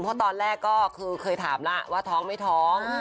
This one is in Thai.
เพราะตอนแรกก็คือเคยถามแล้วว่าท้องไม่ท้อง